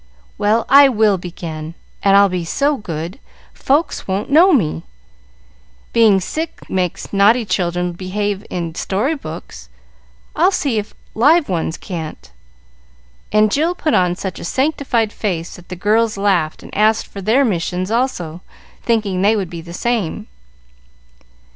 Well, I will begin; and I'll be so good, folks won't know me. Being sick makes naughty children behave in story books, I'll see if live ones can't;" and Jill put on such a sanctified face that the girls laughed and asked for their missions also, thinking they would be the same.